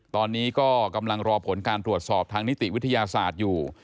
ตอนนี้ก็กำลังรอผลการตรวจสอบทางนิติวิทยาศาสตร์อยู่